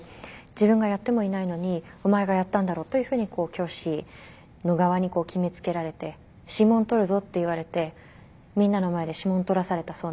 自分がやってもいないのに「お前がやったんだろう」というふうに教師の側に決めつけられて「指紋採るぞ」と言われてみんなの前で指紋採らされたそうなんですよね。